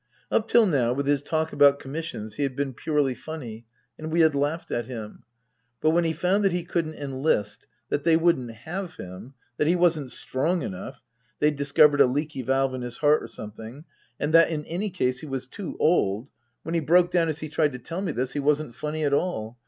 Up till now, with his talk about commissions, he had been purely funny, and we had laughed at him. But when he found that he couldn't enlist, that they wouldn't have him, that he wasn't strong enough they'd dis covered a leaky valve in his heart or something and that in any case he was too old, when he broke down as he tried to tell me this, he wasn't funny at all.